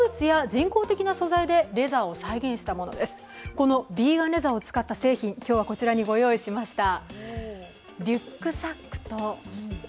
このヴィーガンレザーを使った製品、こちらにご用意しました。